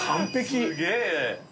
すげえ。